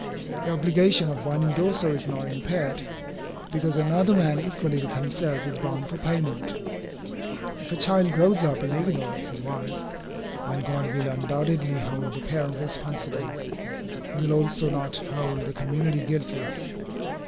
The obligation of one indorser is not impaired, because another man equally with himself is bound for payment If a child grows up in ignorance and vice, while God will undoubtedly hold the parent responsible, he will also not hold the community guiltless.